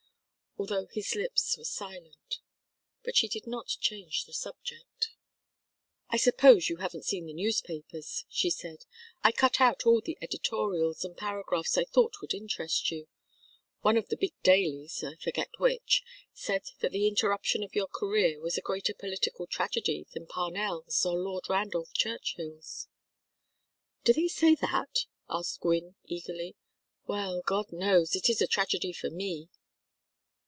although his lips were silent. But she did not change the subject. "I suppose you haven't seen the newspapers," she said. "I cut out all the editorials and paragraphs I thought would interest you. One of the big dailies, I forget which, said that the interruption of your career was a greater political tragedy than Parnell's or Lord Randolph Churchill's." "Do they say that?" asked Gwynne, eagerly. "Well, God knows, it is a tragedy for me."